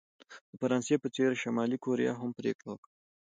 د فرانسې په څېر شلي کوریا هم پرېکړه وکړه.